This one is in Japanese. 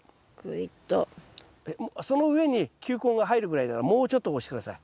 その上に球根が入るぐらいだからもうちょっと押して下さい。